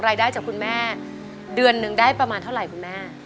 รายได้จากคุณแม่เดือนหนึ่งได้ประมาณเท่าไหร่คุณแม่